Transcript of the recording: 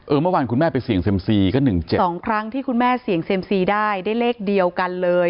เมื่อวานคุณแม่ไปเสี่ยงเซ็มซีก็๑๗๒ครั้งที่คุณแม่เสี่ยงเซ็มซีได้เลขเดียวกันเลย